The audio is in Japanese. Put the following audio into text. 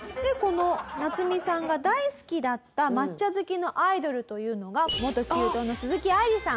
ナツミさんが大好きだった抹茶好きのアイドルというのが元℃−ｕｔｅの鈴木愛理さん。